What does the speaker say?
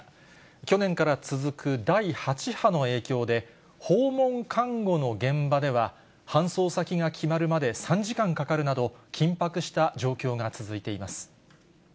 去年から続く第８波の影響で、訪問看護の現場では、搬送先が決まるまで３時間かかるなど、緊迫した状況が続いています。